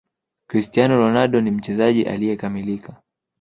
cristiano ronaldo ni mchezaji alieyekamilika